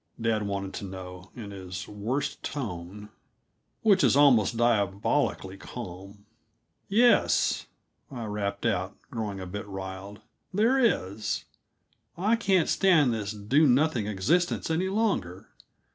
dad wanted to know, in his worst tone, which is almost diabolically calm. "Yes," I rapped out, growing a bit riled, "there is. I can't stand this do nothing existence any longer.